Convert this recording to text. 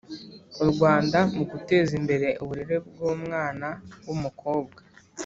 U rwanda mu guteza imbere uburere bw’umwana w’umukobwa